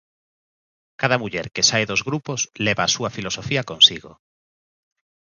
Cada muller que sae dos grupos leva a súa filosofía consigo.